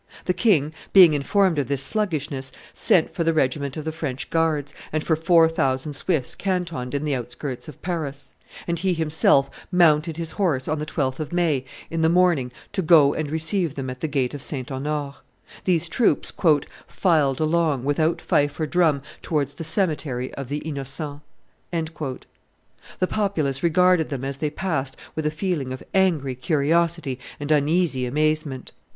The king, being informed of this sluggishness, sent for the regiment of the French Guards, and for four thousand Swiss cantoned in the outskirts of Paris; and he himself mounted his horse, on the 12th of May, in the morning, to go and receive them at the gate of St. Honord. These troops "filed along, without fife or drum, towards the cemetery of the Innocents." The populace regarded them as they passed with a feeling of angry curiosity and uneasy amazement.